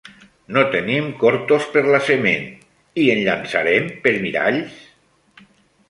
-No tenim cortos per la sement… i en llançarem per miralls?